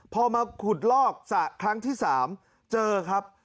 พอมาขุดลอกสระครั้งที่๓เจอครับ